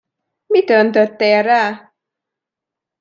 Mit öntöttél rá?